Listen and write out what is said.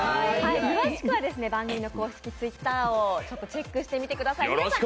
詳しくは番組の公式Ｔｗｉｔｔｅｒをチェックしてみてください。